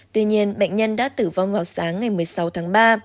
tuy nhiên bệnh nhân đã tử vong vào sáng ngày một mươi sáu tháng ba